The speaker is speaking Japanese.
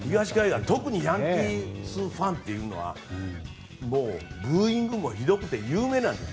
特にヤンキースファンはブーイングもひどくて有名なんです。